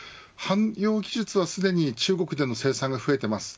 汎用技術はすでに中国での製造が増えています。